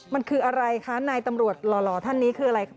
มันคืออะไรคะนายตำรวจหล่อท่านนี้คืออะไร